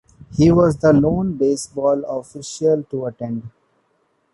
He was the lone baseball official to attend.